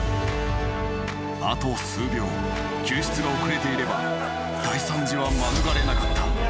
［あと数秒救出が遅れていれば大惨事は免れなかった］